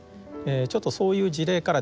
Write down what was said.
ちょっとそういう事例からですね